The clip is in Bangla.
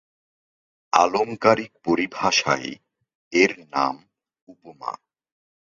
আলঙ্কারিক পরিভাষায় এর নাম উপমা।